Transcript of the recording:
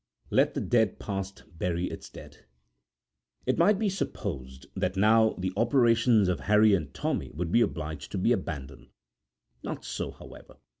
'Let the Dead Past Bury It's Dead'[edit] It might be supposed that now the operations of Harry and Tommy would be obliged to be abandoned. Not so, however.